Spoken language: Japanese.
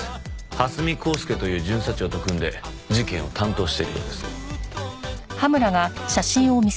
蓮見光輔という巡査長と組んで事件を担当しているようです。